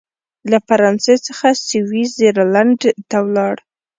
له فرانسې څخه سویس زرلینډ ته ولاړ.